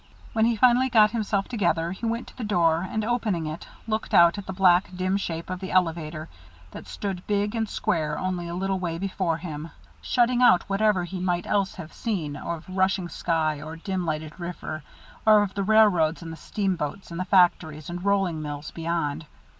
When he finally got himself together, he went to the door, and opening it, looked out at the black, dim shape of the elevator that stood big and square, only a little way before him, shutting out whatever he might else have seen of rushing sky or dim lighted river, or of the railroads and the steamboats and the factories and rolling mills beyond.